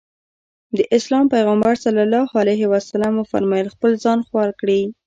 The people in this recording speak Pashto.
د اسلام پيغمبر ص وفرمايل خپل ځان خوار کړي.